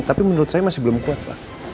tapi menurut saya masih belum kuat pak